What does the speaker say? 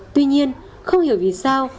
tuy nhiên không hiểu vì sao